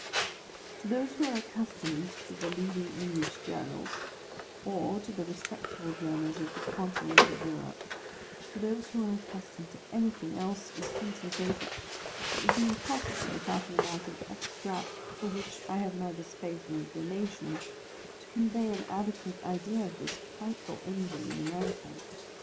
To those who are accustomed to the leading English journals, or to the respectable journals of the Continent of Europe; to those who are accustomed to anything else in print and paper; it would be impossible, without an amount of extract for which I have neither space nor inclination, to convey an adequate idea of this frightful engine in America.